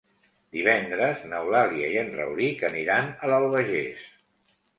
Divendres n'Eulàlia i en Rauric aniran a l'Albagés.